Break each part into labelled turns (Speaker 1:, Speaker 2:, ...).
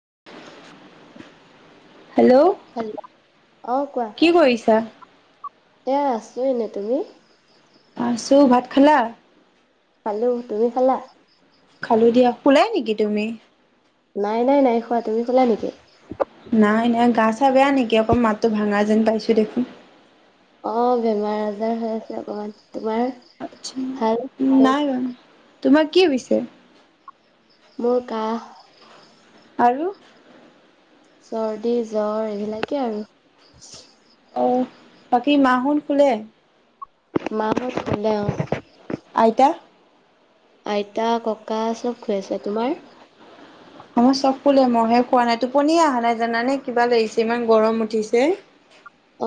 Speaker 1: [inaudible]
Speaker 2: Hello
Speaker 1: hello অ কোৱা
Speaker 2: কি কৰিছা
Speaker 1: এয়া আছো এনে তুমি
Speaker 2: আছোঁ ভাত খালা
Speaker 1: খালো তুমি খালা
Speaker 2: খালো দিয়া ওলাই নেকি তুমি
Speaker 1: নাই নাই নাই খোৱা তুমি খালা নেকি
Speaker 2: া বেয়া নেকি অক মাতটো ভাঙা যেন পাইছো দেখোন
Speaker 1: অ বেমাৰ আজাৰ হৈ আছে অকমান তোমাৰ ভাল
Speaker 2: নাই তোমাৰ কি হৈছে
Speaker 1: মোৰ কাহ
Speaker 2: আৰু
Speaker 1: চৰ্দি জ্বৰ এইবিলাকে আৰু
Speaker 2: অ বাকী মাহতখোলে [unintelligible]
Speaker 1: মাহত ভালে অ
Speaker 2: আইতা
Speaker 1: আইতা ককা চব খৈ আছে তোমাৰ
Speaker 2: আই চব কোলে মহে খোৱা নাই টোপনিয়ে [unintelligible] অহা নাই জানে কিবা লাগিছে ইমান গৰম উঠিছে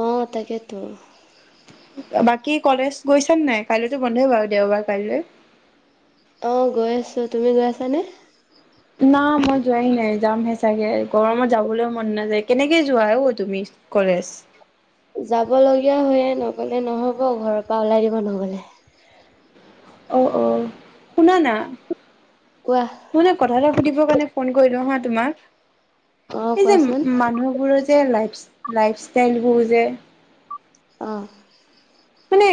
Speaker 1: আহ তাকেতো
Speaker 2: বাকী কলেজ গৈছানে নাই কাইলৈতো বন্ধই বাৰু দেওবাৰ কাইলৈ
Speaker 1: আহ গৈ আছো তুমি গৈ আছানে
Speaker 2: না মই যোৱাই নাই যামহে চাগে গৰমত যাবলৈ মন নাযায় কেনেকে যোৱা অঔ তুমি কলেজ
Speaker 1: যাব লগগীয়া হৈয়ে নগলে নহ'ব ঘৰৰ পৰা ওলাই দিব নগলে
Speaker 2: অ অ শুনা না
Speaker 1: কোৱা
Speaker 2: নহ নহ কথা এটা সুধিবৰ কাৰণে ফোন কৰিলো হাত
Speaker 1: অ
Speaker 2: তোমাৰ এই যে
Speaker 1: কোৱাচোন
Speaker 2: মানুহবোৰৰ যে লাই লাইফষ্টাইল বোৰু যে
Speaker 1: অ
Speaker 2: মানে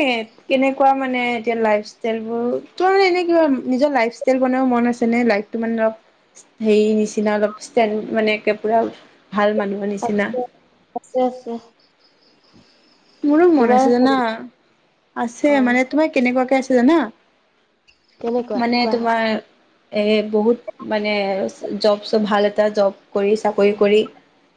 Speaker 2: কেনেকুৱা মানে এতিয়া লাইফাষ্টাইলবোৰ এনে কা নিজৰ লাইফষ্টাইল বনাও [unintelligible] মানে আছে ন লাইফটো মানে অলপ হে নিচিনা অলপ মানে [unintelligible] পুৰা ভাল মানুহৰ নিচিনা
Speaker 1: আছে আছে
Speaker 2: মোৰো মন
Speaker 1: তোমাৰ
Speaker 2: আছে জানা
Speaker 1: নেকি?
Speaker 2: আছে
Speaker 1: অ
Speaker 2: মানে তোমাৰ কেনেকুৱাকে আছে ন
Speaker 1: কেনেকুৱা
Speaker 2: মানে
Speaker 1: কোৱা
Speaker 2: তোমাৰ এই বহুত মানে জব চব ভাল এটা জব কৰি চাকৰি কৰি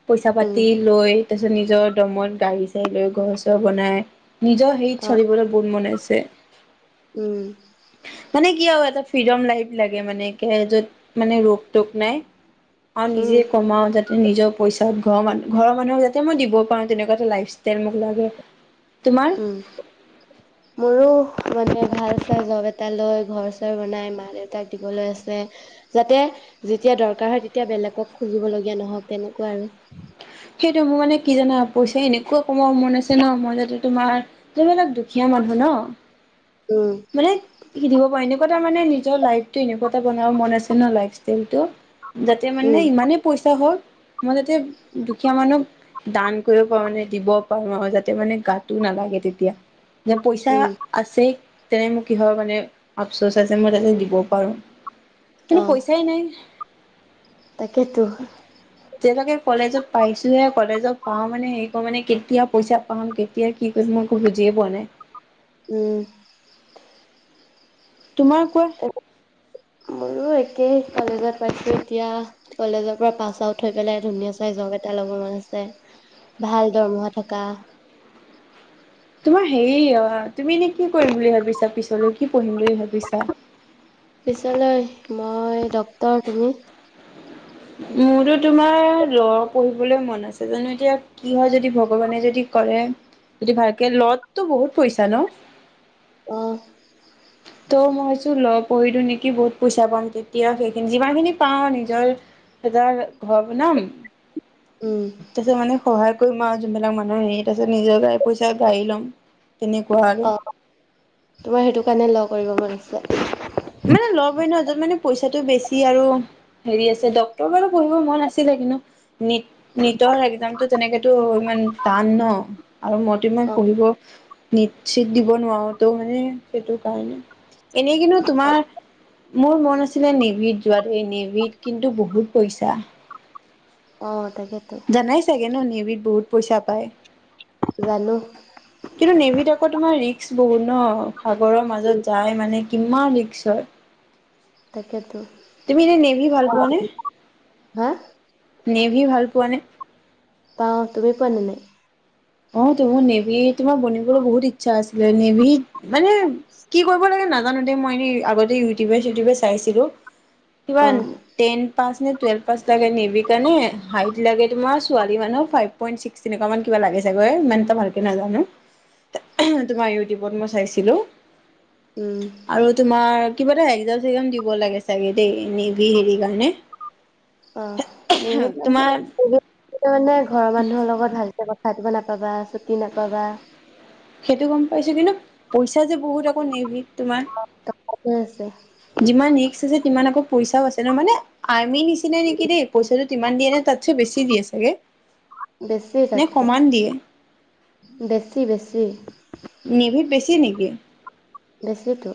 Speaker 2: পইচা
Speaker 1: উম
Speaker 2: পাতি লৈ তাৰ পিছত নিজৰ দমত গাড়ী চাড়ীলৈ ঘৰ চৰ বনাই নিজৰ হেৰিত
Speaker 1: অ
Speaker 2: চলিবলৈ বহুত মন আছে তে
Speaker 1: উম।
Speaker 2: কি আও এটা ফ্ৰীডম লাইফ লাগে মানে একে য'ত মানে ৰোগ টোক নাই। আৰু নিজে
Speaker 1: উম
Speaker 2: কমাও যা নিজৰ পইচাত ঘৰ মানুহ ঘৰৰ মানুহক যাতে মই দিব পাৰো তেনেকোৱা এটা লাইফষ্টাইল মোক লাগে। তোমাৰ
Speaker 1: উম, মোৰো মানে ভাল চাই জব এটা লৈ ঘৰ চৰ বনাই মা, দেউতাক দিবলৈ আছে যাতে যেতিয়া দৰকাৰ হয়, তেতিয়া বেলেগক খুজিব লগীয়া নহওঁক তেনেকোৱা আৰু
Speaker 2: সেইটোৱে মোৰ মানে কি জানা? পইচা এনেকুৱা কমাব মন আছে ন, মই যাতে তোমাৰ জোনবিলাক দুখীয়া মানুহ ন
Speaker 1: উম
Speaker 2: মানে সেইখিনিক দিব পাৰিলে মই তামানে নিজৰ লাইফটো এনেকোৱা এটা বনাব মন আছে ন লাইফষ্টাইল টো যাতে মানে
Speaker 1: উম
Speaker 2: ইমানেই পইচা হওঁক মই যাতে দুখীয়া মানুহক দান কৰিব পাৰো মানে দিব পাৰো আৰু যাতে মানে গাটো নালাগে তেতিয়া। যে, পইচা
Speaker 1: উম
Speaker 2: আছেই তেনে মোৰ কিহৰ কাৰণে আপচোচ আছে মই তাতে দিব পাৰোঁ।
Speaker 1: অ
Speaker 2: কিন্তু পইচাই নাই।
Speaker 1: তাকেতো।
Speaker 2: যিহেতকে কলেজত পাইছোহে কলেজত পাওঁ মানে হেৰি কৰো মানে কেতিয়া পইচা পাম কেতিয়া কি কৰিম, মই একো বুজিয়ে পোৱা নাই।
Speaker 1: উম।
Speaker 2: তোমাৰ কোৱা?
Speaker 1: তেই কলেজত পাইছো এতিয়া কলেজৰ পৰা পাছ আউট হৈ পেলাই ধুনীয়া চাই জব এটা ল'ব মন আছে ভাল দৰমহা থকা।
Speaker 2: তোমাৰ হেৰি অ', তুমি এনে কি কৰিম বুলি ভাবিছা? পিছলৈ কি পঢ়িম বুলি ভাবিছা?
Speaker 1: পিছলৈ মই ডক্তৰ তুমি?
Speaker 2: মোৰতো তোমাৰ ল পঢ়িবলৈ মন আছে জানো এতিয়া কি হয় যদি ভগৱানে যদি কৰে, যদি ভালকে ল তো বহুত পইছা ন?
Speaker 1: অ।
Speaker 2: ত' মই ভাবিছো ল পঢ়ি দিওঁ নেকি বহুত পইচা পাম তেতিয়া সেইখিনি যিমানখিনি পাওঁ নিজৰ এটা ঘৰ বনাম।
Speaker 1: উম
Speaker 2: তাপিছত মানে সহায় কৰিম আৰু যোনবিলাক মানুহ হেৰিত আছে নিজৰ পইচাৰে গাড়ী ল'ম। তেনেকুৱা আৰু
Speaker 1: অ', তোমাৰ সেইটো কাৰণে ল কৰিব মন আছে।
Speaker 2: মানে ল পঢ়ি নহ তোৰ মানে পইচাটো বেছি আৰু হেৰি আছে ডক্তৰ বাৰু পঢ়িব মন আছিলে। কিন্তু, নিত-নিতৰ একজামটো তেনেকেতো ইমান টান ন? আৰু মইটো ইমান
Speaker 1: অ
Speaker 2: পঢ়িব নিত-চিত দিব নোৱাৰো ত মানে সেইটো কাৰণে। এনেই কিন্তু,
Speaker 1: অ
Speaker 2: তোমাৰ, মোৰ মন আছিলে নিভিত যোৱাতোৱেই, নিভিত কিন্তু বহুত পইচা।
Speaker 1: অ'। তাকেতো
Speaker 2: জানাই চাগে ন'? নেভিত বহুত পইচা পায়।
Speaker 1: জানো
Speaker 2: কিন্তু নেমিত আকৌ তোমাৰ ৰিক্স বহু ন সাগৰৰ মাজত যাই মানে কিমান ৰিক্সৰ।
Speaker 1: তাকেতো।
Speaker 2: তুমি এনে নেভি ভাল পোৱা নে?
Speaker 1: হা?
Speaker 2: নেভি ভাল পোৱা নে?
Speaker 1: পাওঁ তুমি পোৱা নে নাই?
Speaker 2: অ তোভু নেভি তোমাৰ বনিবলৈ বহুত ইচ্ছা আছিলে। নেভি মানে কি কৰিব লাগে নাজানো দে, মই এনে আগতে ইউটিউবে চিটিউবে চাইছিলো। কিবা
Speaker 1: অ
Speaker 2: টেন পাছ নে টুৱেলভ পাছ লাগে নেভি কাৰণে হাইট লাগে তোমাৰ ছোৱালী মানুহ ফাইভ পইন্ট ছিক্স তেনেকুৱা মান কিবা লাগে। জাগৈ ইমান টা ভালকে নাজানো, তোমাৰ ইউটিউবত মই চাইছিলো।
Speaker 1: উম
Speaker 2: আৰু তোমাৰ কিবা এটা একজাম চ্চকজাম দিব লাগে চাগে দেই নেভি হেৰি কাৰণে।
Speaker 1: অ মোৰো
Speaker 2: তোমাৰ
Speaker 1: [unintelligible] অ নাই। ঘৰ মানুহৰ লগত ভাল। [unintelligible] নাপাবা নাপাবা চুটি নাপাবা।
Speaker 2: সেইটো গম পাইছো কিন্তু পইচা যে বহুত আকৌ নেভি তোমাৰ
Speaker 1: টকাটোৱে আছে
Speaker 2: যিমান ৰিস্ক আছে তিমান আকৌ পইচাও আছে ন মানে আৰ আমি নিচিনা নেকি দেই পইছা য তিমান দিয়ে নে তাতছে বেছি দিয়ে চাগে?
Speaker 1: বেছি
Speaker 2: নে
Speaker 1: তাতকে,
Speaker 2: সমান দিয়ে
Speaker 1: বেছি বেছি।
Speaker 2: কি নেকি?
Speaker 1: বেছিতো।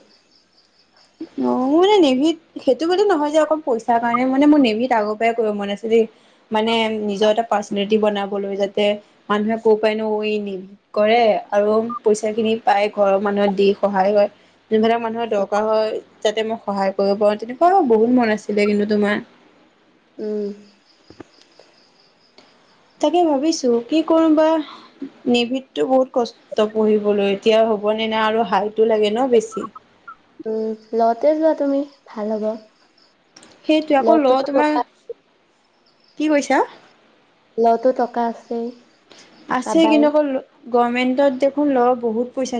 Speaker 2: অ মানে নেভিত সেইটো কাৰনে নহয় যে অকল পইচাৰ কাৰণে মানে মোৰ নেভিত আগৰ পৰাই কৰিব মন আছে দেই, মানে নিজৰ এটা পাৰ্চনেলিটি বনাবলৈ যাতে মানুহে কব পাৰে ন, অ ই নেভিত কৰে আৰু পইচা খিনি পাই ঘৰৰ মানুহত দি সহায় কৰে, যোনবিলাক মানুহৰ দ হয় যাতে মই সহায় কৰিব পাৰো, তেনেকুৱা বহুত মন আছিলে কিন্তু তোমাৰ।
Speaker 1: উম।
Speaker 2: তাকে ভাবিছো কি কৰো বা? নেভিতটো বহুত কষ্ট পঢ়িবলৈ এতিয়া হ'বনে নাই আৰু হাইটো লাগে ন বেছি।
Speaker 1: উম লতে যোৱা তুমি ভাল হ'ব।
Speaker 2: সেইটোৱে আকৌ ল',
Speaker 1: লটোতো
Speaker 2: তোমাৰ
Speaker 1: টকা
Speaker 2: কি কৈছা?
Speaker 1: -লতো টকা আছে।
Speaker 2: আছে কিন্ত, অকল, গভমেণ্টত দেখোন ল- বহুত পইচা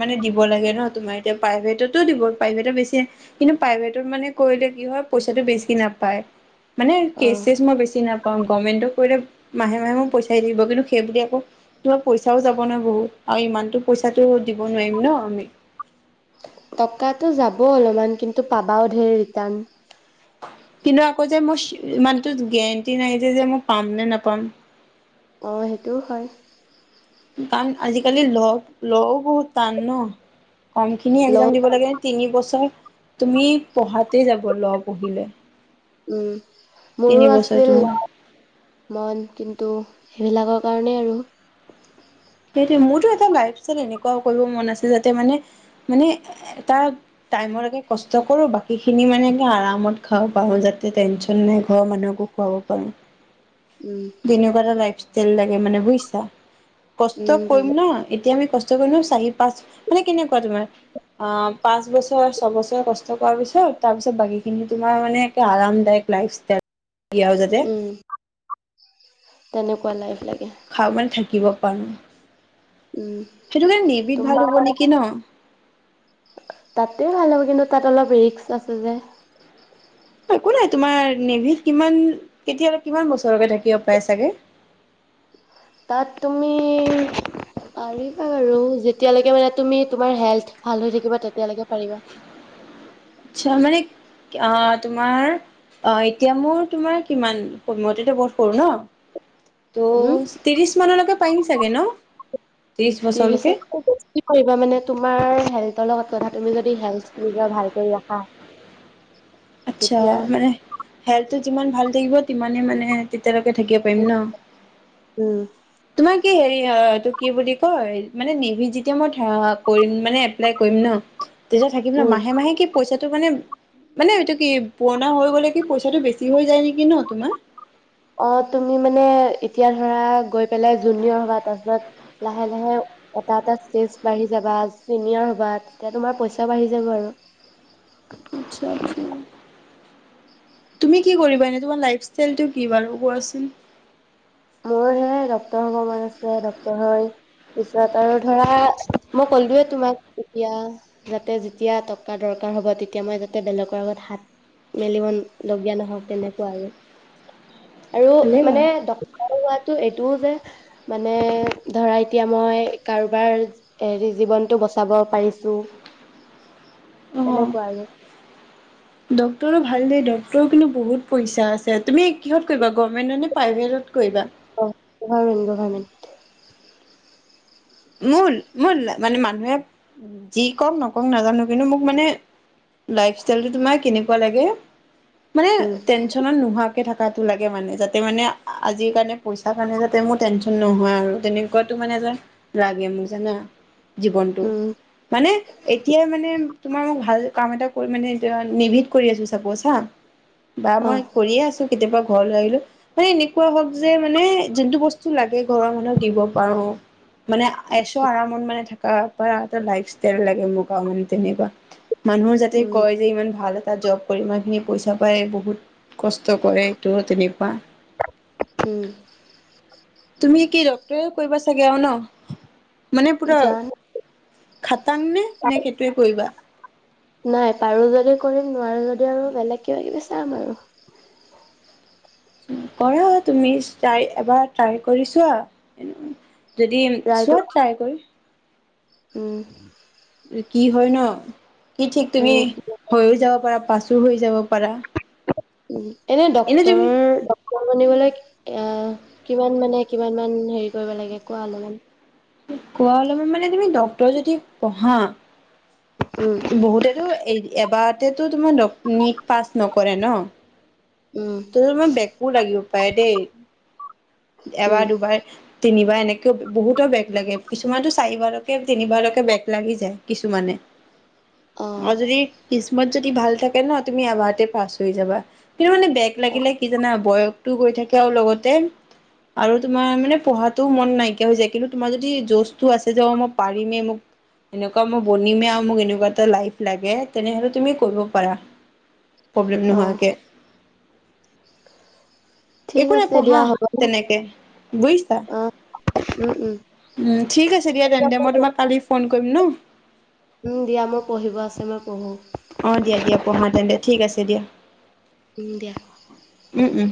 Speaker 2: মানে দিব লাগে ন', তোমাৰ এতিয়া প্ৰাইভেটতো দিব প্ৰাইভেটত বেছি। কিন্তু প্ৰাইভেটত মানে কৰিলে কি হয় পইচাটো বেছি নাপায়। মানে
Speaker 1: অ
Speaker 2: কেচ- চেছ মই বেছি নাপাওঁ। গম -গভমেণ্টত কৰিলে মাহে -মাহে মই পইচা, থাকিব কিন্তু সেইবুলি আকৌ তোমাৰ পইচাও যাব নহয় বহুত, আৰু ইমানটো পইচাটো দিব নোৱাৰিম ন', আমি।
Speaker 1: টকাটো যাব অলপমান কিন্তু পাবাও ঢেৰ ৰিটাৰ্ণ।
Speaker 2: কিন্তু আকৌ যে, মোৰ ইমানটো গেৰেণ্টি নাই যে, যে মই পাম নে, নাপাম।
Speaker 1: অ', সেইটোও হয়।
Speaker 2: কৰ আজিকালি ল', - লও বহুত টান ন',। কম খিনি
Speaker 1: ল
Speaker 2: একজাম দিব লাগে তিনি বছৰ। তুমি পঢ়াতে যাব ল', পঢ়িলে।
Speaker 1: উম, মোৰো
Speaker 2: তিনি বছৰ
Speaker 1: আছিল
Speaker 2: তুমি
Speaker 1: মন কিন্তু, সেইবিলাকৰ কাৰণে আৰু
Speaker 2: সেইটো মোৰতো এটা লাইভ ছেট এনেকুৱা কৰিব মন আছে- যাতে মানে - মানে এটা টাইম লৈকে কষ্ট কৰোঁ বাকী খিনি মানে আৰামত খাব পাৰো যাতে টেনচন নাই ঘৰৰ মানুহকো খুৱাব পাৰো।
Speaker 1: উম
Speaker 2: বিনিয়োগতে লাইফ, তেল লাগে মানে বুইছা? কষ্ট
Speaker 1: উম
Speaker 2: কৰিম
Speaker 1: বুজি
Speaker 2: ন', এতিয়া আমি কষ্ট কৰি চাৰি -পাঁচ মানে কেনেকুৱা তোমাৰ আঃ পাঁচ বছৰ, ছবছৰ কষ্ট কৰাৰ পিছত তাৰ পিছত বাকীখিনি তোমাৰ মানে একে আৰামদায়ক লাইফ ষ্টাইল।
Speaker 1: উম
Speaker 2: [unintelligible]
Speaker 1: তেনেকুৱা লাইফ, লাগে
Speaker 2: খাবান থাকি, শিকিব পাৰোঁ।
Speaker 1: উম, তোমাৰ
Speaker 2: হ'ব নেকি ন
Speaker 1: তাতেই ভাল হ'ব কিন্তু, তাত অলপ ৰিস্ক আছে যে।
Speaker 2: একো নাই তোমাৰ নেভিত কিমান কেতিয়াল, কিমান বছৰকে থাকিব পাৰে চাগে,
Speaker 1: তাত তুমি পাৰিবা বাৰু যেতিয়ালৈকে মানে তুমি তোমাৰ হেল্থ ভাল হৈ থাকিবা তেতিয়ালৈকে পাৰিবা।
Speaker 2: আচ্ছা মানে আহ ', তোমাৰ অ', এতিয়া মোৰ, তোমাৰ কিমান মোতকেটো বহুত সৰু ন?
Speaker 1: হম
Speaker 2: ত' ত্ৰিশ মানলৈকে পাৰিম চাগে ন ', ত্ৰিশ বছৰলৈকে?
Speaker 1: ত্ৰিশতকৈ হেল্থতৰ লগত কথা তুমি যদি হেল্থ নিজৰ ভাল কৰি ৰাখা,
Speaker 2: আচ্ছা
Speaker 1: তেতিয়া
Speaker 2: মানে হেল্থ, -ল্থ যিমান ভাল থাকিব তিমানে মানে তেতিয়ালৈকে থাকিব পাৰিম ন',।
Speaker 1: উম
Speaker 2: তোমাৰ কি হেৰি হয় এইটো? কি বুলি কয় মানে নেভি যেতিয়া মই কৰিম মানে এপ্লাই কৰিম ন', তেতিয়া থাকিব ন,
Speaker 1: উম
Speaker 2: মাহে -মাহে কি পইচা তো মানে মানে এইটো কি পুৰণা হৈ গ'লে কি পইচাটো বেছি হৈ যায় নেকি ন, তোমাৰ?
Speaker 1: অঁ তুমি মানে এতিয়া ধৰা গৈ পেলাই জুনিয়ৰ হবা তাৰপিছত লাহে লাহে এটা এটা ষ্টেজ বাঢ়ি যাবা, চিনিয়ৰ হবা তেতিয়া তোমাৰ পইচা বাঢ়ি যাব আৰু।
Speaker 2: আচ্ছা আচ্ছা। তুমি কি কৰিবা এনে তোমাৰ লাইফষ্টাইলটো কি বাৰু, কোৱাচোন?
Speaker 1: মোৰ হে ডাক্তৰ হব মন আছে, ডাক্তৰ হোৱাৰ ইচ্ছা আৰু, ধৰা মই কলোৱে তোমাক তেতিয়া যাতে যেতিয়া টকা দৰকাৰ হব তেতিয়া মই যাতে বেলেগৰ আগত হাত মেলিব লগীয়া নহওক তেনেকুৱা আৰু। আৰু
Speaker 2: ভালেই
Speaker 1: মানে
Speaker 2: বাৰু
Speaker 1: ড হোৱাটো এইটোও যে মানে ধৰা এতিয়া মই কাৰোবাৰ হেৰি জীৱনতটো বচাব পাৰিছো।
Speaker 2: অঁ
Speaker 1: তেনেকুৱা আৰু
Speaker 2: ডাক্টৰটো ভাল দেই ড্ট তোৰ কিন্তু বহুত পইচা আছে। তুমি কিহত কৰিবা গভৰ্মেণ্টত নে প্ৰাইভেটত কৰিবা?
Speaker 1: অ গভৰ্ণমেণ্ট গভৰ্ণমেণ্ট।
Speaker 2: মোৰ মোৰ মানে মানুহে যি কওক নকওক নাজানো কিন্তু মোক মানে লাইফষ্টাইলটো তোমাৰ এনেকুৱা লাগে মানে
Speaker 1: উম
Speaker 2: টেনচনত নোহাৱা কে থাটো লাগে মানে যাতে মানে আজিৰ কাৰণে পইচা কাৰণে যাতে মোৰ টেনচন নহয় আৰু তেনেকুৱোটো মানে যে লাগে মোৰ জানা। জীৱনটো,
Speaker 1: উম
Speaker 2: মানে এতিয়াই মানে তোমাৰ মোক ভাল কাম এটা কৰি মানে এ নেভিদ কৰি আছো চাপোজ হা বা
Speaker 1: অ
Speaker 2: মই কৰিয়ে আছো কেতিয়াবা ঘৰলৈ আহিলো মানে এনেকুৱা হওক যে মানে যোনটো বস্তু লাগে ঘৰৰ মানুহ দিব পাৰো। মানে এইস ও আৰামত মানে থাক ক পৰা লাইফষ্টাইল লাগে, মোক মানে তেনেকুৱা মানুহৰ যাতে
Speaker 1: উম
Speaker 2: কয় যে ইমান ভাল তাত জব কৰি ইমানখিনি পইচা পায় বহুত কষ্ট কৰে সেইটো তেনে বাঁহ
Speaker 1: উমঁ।
Speaker 2: তুমি কি ডাক্তৰৰে কৰিবা চাগে আৰু ন'? মানে পুৰা
Speaker 1: জান
Speaker 2: তান নে নে সেইটোৱে কৰিবা?
Speaker 1: নাই পাৰো যদি কৰিম নোৱাৰো যদি আৰু বেলেগ কিবা কিবি চাম আৰু।
Speaker 2: কৰা তুমি ট্ৰাই, এবাৰ ট্ৰাই কৰিছোৱা। যদি
Speaker 1: ৰাইটো
Speaker 2: চোৱা ট্ৰাই কৰি।
Speaker 1: উম।
Speaker 2: কি হয় ন, কি ঠিক তুমি
Speaker 1: উম
Speaker 2: হৈয়ও যাব পাৰা পাচো হৈ যাব পাৰা।
Speaker 1: উ এনে ডক্তৰ ডক্তৰ বনিবলৈ আহ কিমান মানে কিমান মান হেৰি কৰিব লাগে কোৱা অলপমান।
Speaker 2: কোৱা অলপমান মানে তুমি ডক্তৰ যদি পঢ়া।
Speaker 1: উম
Speaker 2: বহুতেতো এই এবাৰ ট তোমাৰ ডক্তৰণী পাছ কৰে ন।
Speaker 1: উম
Speaker 2: তোৰ তোমাৰ বেকো লাগিব পাৰে দেই।
Speaker 1: উম
Speaker 2: এবাৰ, দুবাৰ, তিনিবাৰ এনেকে বহুতৰ বেগ লাগে কিছুমানতো চাৰিবাৰকে তিনিবাৰকে বেগ লাগি যায় কিছুমানে।
Speaker 1: অ
Speaker 2: আও যদি কিছমত যদি ভাল থাকে ন তুমি এবাৰ পাছ হৈ যাবা কিন্তু মানে
Speaker 1: অ
Speaker 2: লাগিলে কি জানা বয়স। টো গৈ থাকে আৰু লগতে আৰু তোমাৰ মানে পঢ়াটো মন নাইকিয়া হৈ যায় কিন্তু তোমাৰ যদি যজটো আছে যে অ মই পাৰিমে মোক এনেকুৱ মই বনিমে আৰু মোক এনেকুৱা এটা লাইফ লাগে তেনেহলে তুমি কৰিব পাৰা। প্ৰব্লেম
Speaker 1: অ
Speaker 2: নোহোৱাকে।
Speaker 1: ঠিক
Speaker 2: একো নাই
Speaker 1: আছে
Speaker 2: পঢ়া
Speaker 1: দিয়া হ'ব ন
Speaker 2: তেনেকে বুজিছা
Speaker 1: অ উম উম
Speaker 2: উম ঠিক আছে দিয়া
Speaker 1: ঠিক
Speaker 2: তেন্তে
Speaker 1: আছে
Speaker 2: মই তোমাক কালি ফোন কৰিম ন।
Speaker 1: উম দিয়া মোৰ পঢ়িব আছে মই পঢ়ো।
Speaker 2: অ দিয়া দিয়া পঢ়া তেন্তে ঠিক আছে দিয়া।
Speaker 1: উম দিয়া।
Speaker 2: উম উম